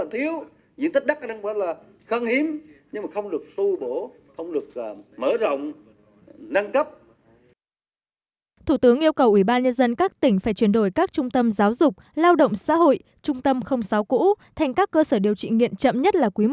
thủ tướng yêu cầu ủy ban nhân dân các tỉnh phải chuyển đổi các trung tâm giáo dục lao động xã hội trung tâm không xáo cũ thành các cơ sở điều trị nghiện chậm nhất là quý i năm hai nghìn một mươi bảy